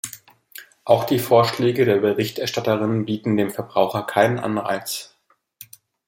Auch die Vorschläge der Berichterstatterin bieten dem Verbraucher keinen Anreiz.